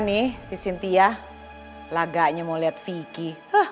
nanti ya laganya mau liat vicky